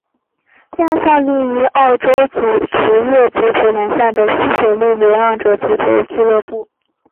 现在效力于澳洲职业足球联赛的西雪梨流浪者足球俱乐部。